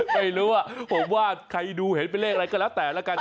ไม่รู้ว่าผมว่าใครดูเห็นเป็นเลขอะไรก็แล้วแต่ละกัน